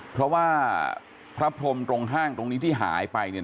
เพราะว่าพระพรมตรงห้างตรงนี้ที่หายไปเนี่ย